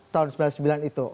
tahun sembilan puluh sembilan itu